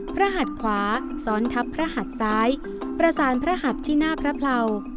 หัดขวาซ้อนทับพระหัดซ้ายประสานพระหัดที่หน้าพระเผลา